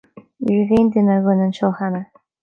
Ní raibh aon duine againn anseo cheana.